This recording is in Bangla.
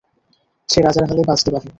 সে রাজার হালে বাঁচতে পারে।